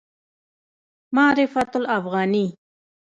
معرفت الافغاني